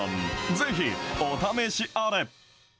ぜひ、お試しあれ。